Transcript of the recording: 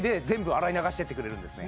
洗い流していってくれるんですね